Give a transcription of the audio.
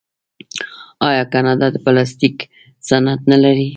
آیا کاناډا د پلاستیک صنعت نلري؟